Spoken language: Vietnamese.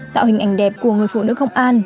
tạo hình ảnh đẹp của người phụ nữ công an